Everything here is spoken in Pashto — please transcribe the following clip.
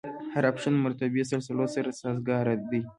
هر اپشن مراتبي سلسلو سره سازګاره دی.